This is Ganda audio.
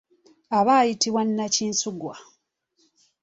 Aba ayitibwa nnakinsugwa.